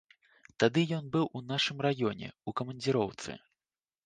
Тады ён быў у нашым раёне ў камандзіроўцы.